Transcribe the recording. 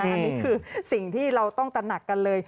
อันนี้คือสิ่งที่เราต้องตระหนักกันเลย